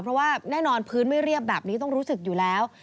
เพราะว่าแน่นอนพื้นไม่เรียบแบบนี้ต้องรู้สึกอยู่แล้ว